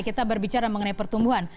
kita berbicara mengenai pertumbuhan